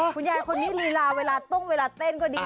คุณยายคนนี้ลีลาเวลาตุ้งเวลาเต้นก็ดี